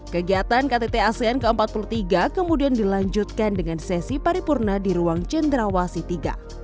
kegiatan ktt asean ke empat puluh tiga kemudian dilanjutkan dengan sesi paripurna di ruang cendrawasi iii